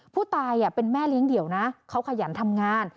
ผู้ตายเป็นแม่เลี้ยงเดี่ยวนะเขาขยันทำงาน